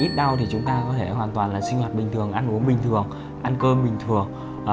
ít đau thì chúng ta có thể hoàn toàn là sinh hoạt bình thường ăn uống bình thường ăn cơm bình thường